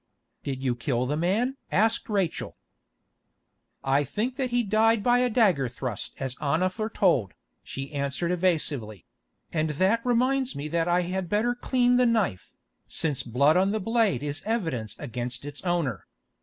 "Did you kill the man?" asked Rachel. "I think that he died by a dagger thrust as Anna foretold," she answered evasively; "and that reminds me that I had better clean the knife, since blood on the blade is evidence against its owner."